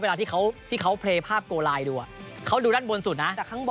เห็นมั้ยที่เขาที่เขาเทศภาพก